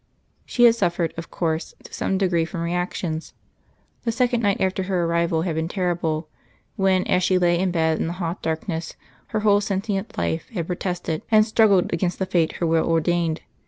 She had suffered, of course, to some degree from reactions. The second night after her arrival had been terrible, when, as she lay in bed in the hot darkness, her whole sentient life had protested and struggled against the fate her will ordained.